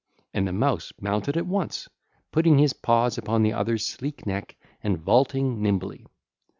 And the Mouse mounted at once, putting his paws upon the other's sleek neck and vaulting nimbly.